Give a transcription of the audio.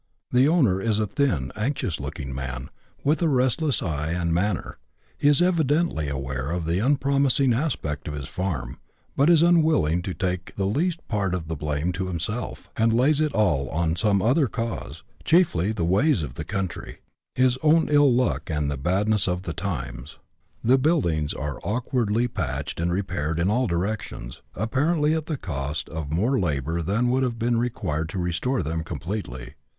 The owner is a thin, anxious looking man, with a restless eye and manner. He is evidently aware of the unpromising aspect of his farm, but is unwilling to take the least part of the blame to himself, and lays it all on some other cause, chiefly the ways of the country, his own ill luck, and the badness of the times. The buildings are awkwardly patched and repaired in all directions, apparently at the cost of more labour than would have been required to restore them completely.